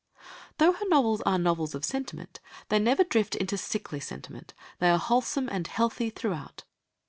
Though her novels are novels of sentiment, they never drift into sickly sentiment, they are wholesome and healthy throughout.